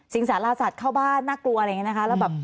สาราสัตว์เข้าบ้านน่ากลัวอะไรอย่างนี้นะคะ